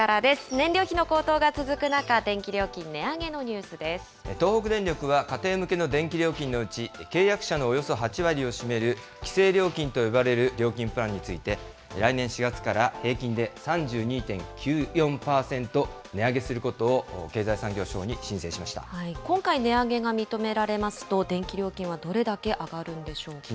燃料費の高騰が続く中、電気料金東北電力は家庭向けの電気料金のうち、契約者のおよそ８割を占める規制料金と呼ばれる料金プランについて、来年４月から平均で３２．９４％値上げすることを経済産業省に申今回値上げが認められますと、電気料金はどれだけ上がるんでしょうか。